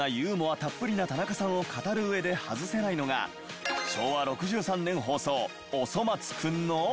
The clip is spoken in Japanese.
たっぷりな田中さんを語る上で外せないのが昭和６３年放送『おそ松くん』の。